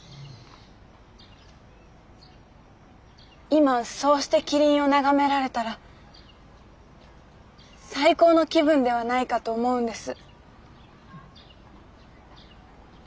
今そうしてキリンを眺められたら最高の気分ではないかと思うんです。